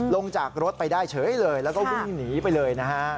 ลงจากรถไปได้เฉยเลยแล้วก็วิ่งหนีไปเลยนะฮะ